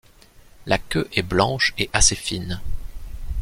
La queue est blanche et assez fine.